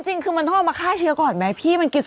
จริงคือบรรทาขมามีอ่ะพี่มันกินสดอ่ะ